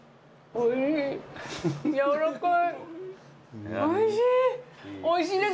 おいしい。